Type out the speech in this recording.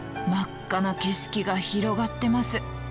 真っ赤な景色が広がってます。